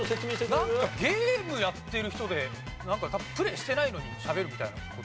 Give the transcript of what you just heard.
なんかゲームやってる人で多分プレイしてないのにしゃべるみたいな事。